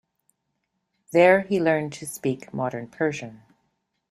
There he learned to speak Modern Persian.